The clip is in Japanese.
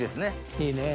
いいねぇ。